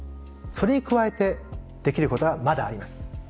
それに加えてできることがまだあります。